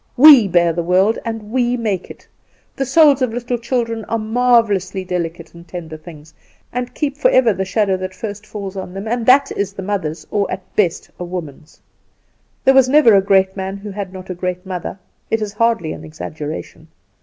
We bear the world, and we make it. The souls of little children are marvellously delicate and tender things, and keep forever the shadow that first falls on them, and that is the mother's or at best a woman's. There was never a great man who had not a great mother it is hardly an exaggeration.